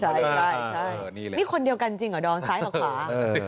ใช่นี่คนเดียวกันจริงเหรอดอนซ้ายกับขวา